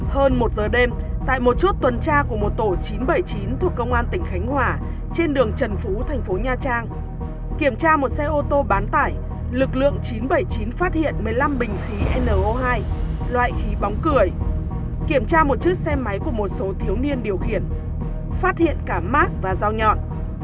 hơn một giờ đêm tại một chút tuần tra của một tổ chín trăm bảy mươi chín thuộc công an tỉnh khánh hòa trên đường trần phú thành phố nha trang kiểm tra một xe ô tô bán tải lực lượng chín trăm bảy mươi chín phát hiện một mươi năm bình khí no hai loại khí bóng cười kiểm tra một chiếc xe máy của một số thiếu niên điều khiển phát hiện cả mát và dao nhọn